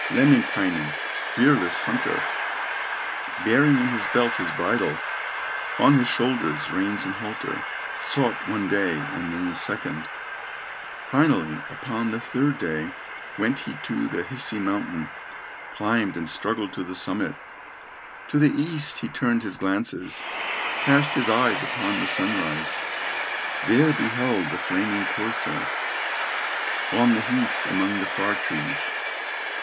Lemminkainen, fearless hunter, Bearing in his belt his bridle, On his shoulders, reins and halter, Sought one day, and then a second, Finally, upon the third day, Went he to the Hisi mountain, Climbed, and struggled to the summit; To the east he turned his glances, Cast his eyes upon the sunrise, There beheld the flaming courser, On the heath among the far trees.